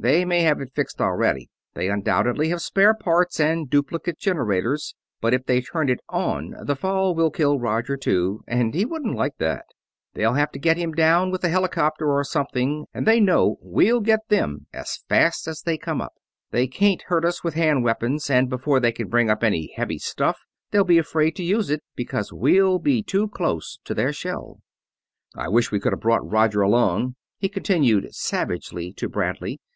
"They may have it fixed already. They undoubtedly have spare parts and duplicate generators, but if they turn it on the fall will kill Roger too, and he wouldn't like that. They'll have to get him down with a helicopter or something, and they know that we'll get them as fast as they come up. They can't hurt us with hand weapons, and before they can bring up any heavy stuff they'll be afraid to use it, because well be too close to their shell. "I wish we could have brought Roger along," he continued, savagely, to Bradley.